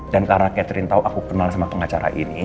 dan karena catherine tahu aku kenal sama pengacara ini